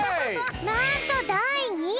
なんとだい２い！